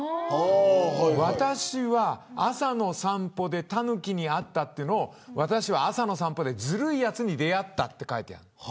私は朝の散歩でタヌキに会ったというのを私は朝の散歩でずるいやつに出会ったと書いた。